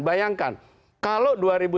bayangkan kalau dua ribu sembilan belas